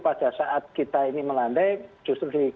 pada saat kita ini melandai justru di